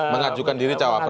mengajukan diri cawapres